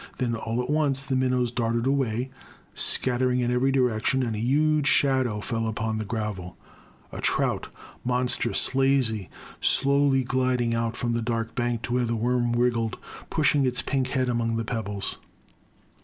Then, all at once, the minnows darted away, scattering in every direction, and a huge shadow fell upon the gravel. The Crime. 271 a trout, monstrous, lazy, slowly gliding out from the dark bank to where the worm wriggled, pushing its pink head among the pebbles.